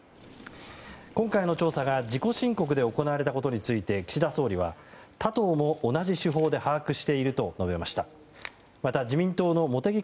今回の調査が自己申告で行われたことについて岸田総理は他党も同じ手法で速報です。